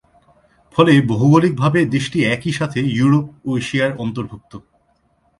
ফলে ভৌগলিকভাবে দেশটি একই সাথে ইউরোপ ও এশিয়ার অন্তর্ভুক্ত।